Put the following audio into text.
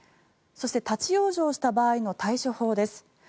そして、立ち往生した場合の対処法です。